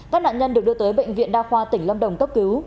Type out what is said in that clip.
các nạn nhân được đưa tới bệnh viện đa khoa tỉnh lâm đồng cấp cứu